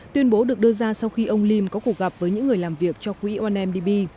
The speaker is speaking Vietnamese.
tuyên bố được đưa ra sau khi ông lim có cuộc gặp với những người làm việc cho quỹ ondb